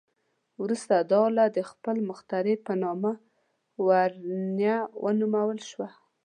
وروسته دا آله د خپل مخترع په نامه "ورنیه" ونومول شوه.